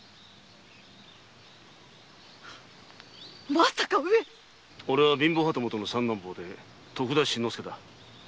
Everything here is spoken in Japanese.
まさか上貧乏旗本の三男坊徳田新之助だ。